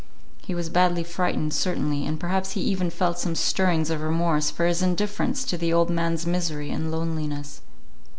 He was badly frightened, certainly, and perhaps he even felt some stirrings of remorse for his indifference to the old man's misery and loneliness.